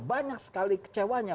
banyak sekali kecewanya